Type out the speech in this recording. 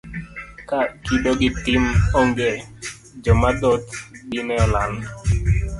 Ka kido gi tim onge, joma dhoth dine olal.